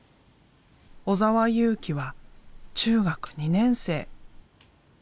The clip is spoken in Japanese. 尾澤佑貴は中学２年生。